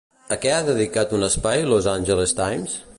A què ha dedicat un espai Los Ángeles Times?